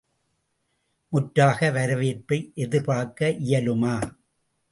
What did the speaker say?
முற்றாக வரவேற்பை எதிர்பார்க்க இயலுமா?